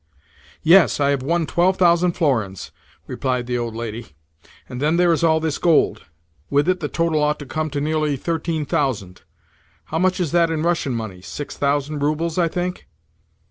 "Yes, I have won twelve thousand florins," replied the old lady. "And then there is all this gold. With it the total ought to come to nearly thirteen thousand. How much is that in Russian money? Six thousand roubles, I think?"